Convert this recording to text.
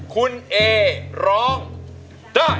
คุณเอร้องได้